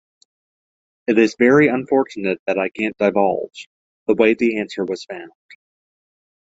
It is very unfortunate that I can't divulge... the way the answer was found...